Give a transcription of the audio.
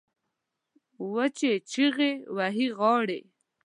وچې چیغې وهي غاړې